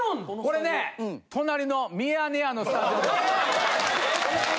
これね隣の『ミヤネ屋』のスタジオです。